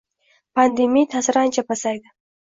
Pandemiya ta’siri ancha pasaydi.